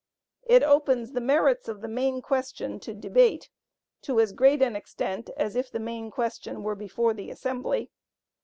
It opens the merits of the main question to debate to as great an extent as if the main question were before the assembly.